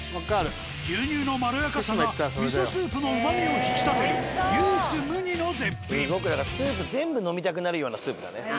牛乳のまろやかさがみそスープのうまみを引き立てるスープ全部飲みたくなるようなスープだね。